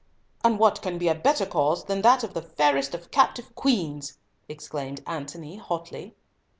"And what can be a better cause than that of the fairest of captive queens?" exclaimed Antony, hotly.